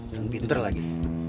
dan pinter lagi